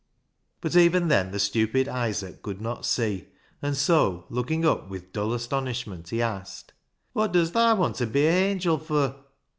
But even then the stupid Isaac could not see, and so, looking up with dull astonishment, he asked —" Wot does t/ma want ta be a hangil fur